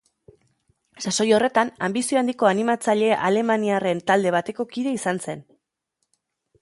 Sasoi horretan, anbizio handiko animatzaile alemaniarren talde bateko kide izan zen.